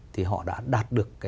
thì họ đã đạt được